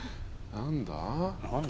何だ？